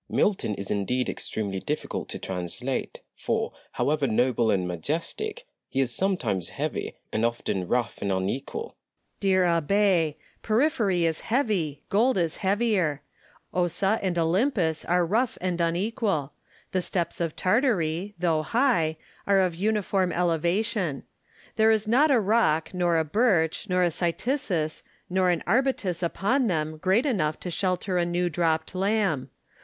Delille. Milton is indeed extremely difficult to translate ; for, however noble and majestic, he is sometimes heavy, and often rough and unequal. Landor. Dear Abb6 ! porphyry is heavy, gold is heavier; Ossa and Olmypus are rough and unequal ; the steppes of Tartary, though high, are of uniform elevation : there is not a rock, nor a birch, nor a cytisus, nor an arbutus upon them great enough to shelter a new dropped lamb.